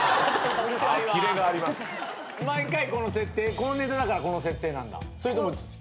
このネタだからこの設定なんだ？